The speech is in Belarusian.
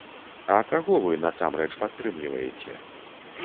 А каго вы насамрэч падтрымліваеце?